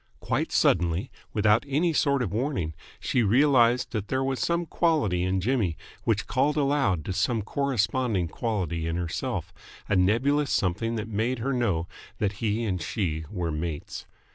Quite suddenly, without any sort of warning, she realised that there was some quality in Jimmy which called aloud to some corresponding quality in herself a nebulous something that made her know that he and she were mates.